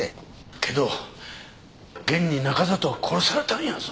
けど現に中里は殺されたんやぞ。